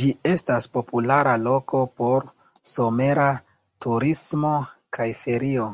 Ĝi estas populara loko por somera turismo kaj ferio.